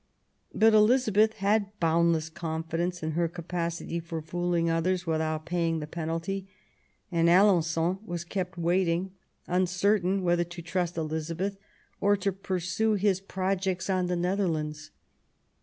But Elizabeth had boundless confi dence in her capacity for fooling others without paying the penalty, and Alen9on was kept waiting, uncertain whether to trust Elizabeth or to pursue his projects on the Netherlands.